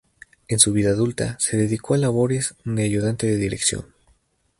En su vida adulta se dedicó a labores de ayudante de dirección.